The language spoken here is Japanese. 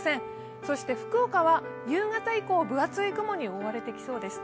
そして福岡は夕方以降、分厚い雲に覆われてきそうです。